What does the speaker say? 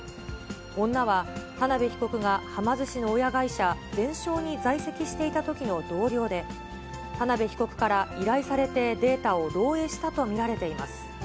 女は、田辺被告がはま寿司の親会社、ゼンショーに在籍していたときの同僚で、田辺被告から依頼されてデータを漏えいしたと見られています。